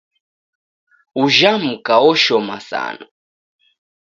Ujha mka oshoma sana.